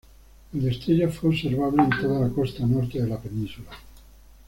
El destello fue observable en toda la costa norte de la península.